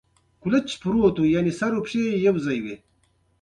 محبوبه يوه خيالي ښاپېرۍ ښکاري،